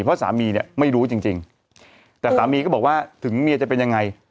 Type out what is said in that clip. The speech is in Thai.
เพราะสามีเนี่ยไม่รู้จริงแต่สามีก็บอกว่าถึงเมียจะเป็นยังไง